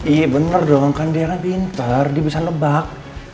iya bener dong kan dna pinter dia bisa nebak